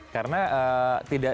karena tidak bisa dikawal